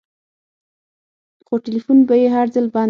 خو ټېلفون به يې هر ځل بند و.